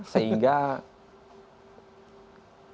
sehingga informasi dari dpr